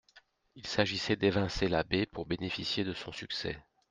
Il s'agissait d'évincer l'abbé pour bénéficier de son succès.